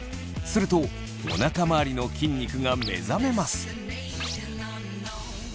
するとおなか周りの筋肉が目覚めます。